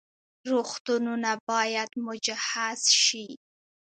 روغتونونه باید مجهز شي